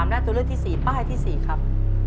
และตัวเลือกที่๔ป้ายที่๔ครับ